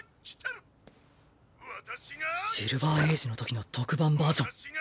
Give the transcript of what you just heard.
シルバーエイジの時の特番バージョン